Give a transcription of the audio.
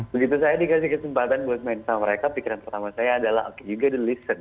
begitu saya dikasih kesempatan buat main sama mereka pikiran pertama saya adalah yoga the listen